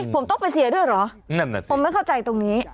ผมต้องไปเสียด้วยหรอผมไม่เข้าใจตรงนี้